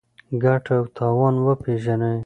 ګټه او تاوان وپېژنئ.